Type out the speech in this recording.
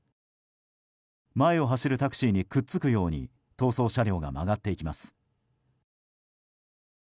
前を走るタクシーにくっつくように逃走車両が曲がっていきます。